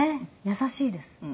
優しいです。